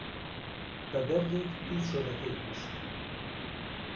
به بهردێک دوو چۆلهکهی کوشت